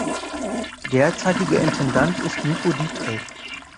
Derzeitiger Intendant ist Nico Dietrich.